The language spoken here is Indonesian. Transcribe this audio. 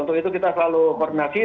untuk itu kita selalu koordinasi